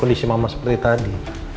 kondisi mama seperti tadi